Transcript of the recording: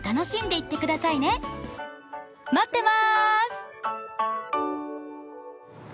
待ってます！